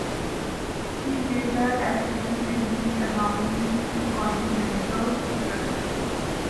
He later attributed these anomalies to continental drift.